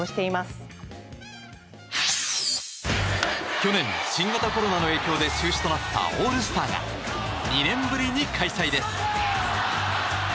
去年、新型コロナの影響で中止となったオールスターが２年ぶりに開催です。